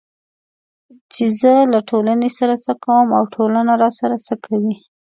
چې زه له ټولنې سره څه کوم او ټولنه راسره څه کوي